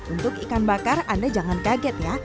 untuk ikan bakar anda jangan kaget ya